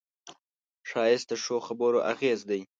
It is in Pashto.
ښایست د ښو خبرو اغېز دی